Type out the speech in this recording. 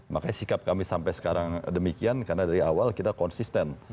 makanya sikap kami sampai sekarang demikian karena dari awal kita konsisten